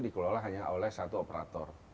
dikelola hanya oleh satu operator